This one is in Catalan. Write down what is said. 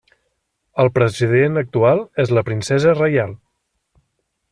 El president actual és la Princesa Reial.